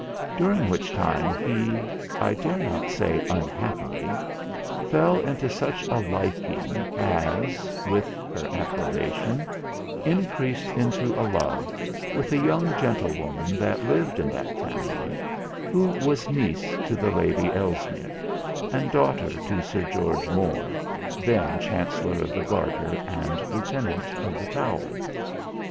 During which time he I dare not say unhappily fell into such a liking, as, with her approbation, increased into a love, with a young gentlewoman that lived in that family, who was niece to the Lady Ellesmere, and daughter to Sir George More, then Chancellor of the Garter and Lieutenant of the Tower.